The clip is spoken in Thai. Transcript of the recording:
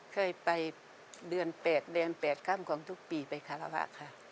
เคยไปเดือนแปดแดนแปดครั้งของทุกปีไปฮาราวะค่ะ